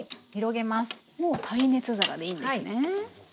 もう耐熱皿でいいんですね。